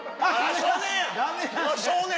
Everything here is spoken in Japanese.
少年！